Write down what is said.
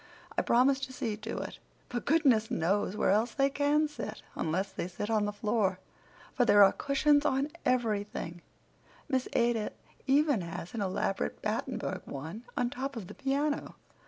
I promised to see to it; but goodness knows where else they can sit, unless they sit on the floor, for there are cushions on everything. Miss Ada even has an elaborate Battenburg one on top of the piano."